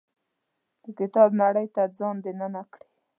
د کتاب نړۍ ته ځان دننه کړي.